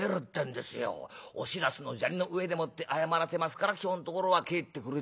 『お白州の砂利の上でもって謝らせますから今日のところは帰ってくれ』